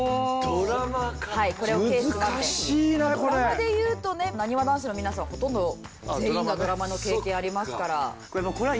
ドラマでいうとねなにわ男子の皆さんはほとんど全員がドラマの経験ありますから。